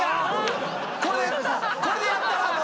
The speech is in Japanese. これでこれでやったらもう！